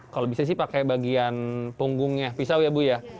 kalau bisa sih pakai bagian punggungnya pisau ya bu ya